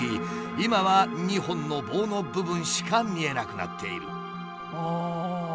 今は２本の棒の部分しか見えなくなっている。